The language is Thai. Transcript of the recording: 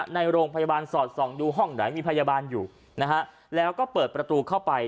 ในโรงพยาบาลสอดส่องดูห้องไหนมีพยาบาลอยู่นะฮะแล้วก็เปิดประตูเข้าไป